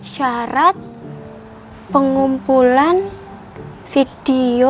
syarat pengumpulan video